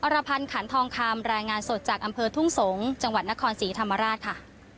รพันธ์ขันทองคำรายงานสดจากอำเภอทุ่งสงศ์จังหวัดนครศรีธรรมราชค่ะ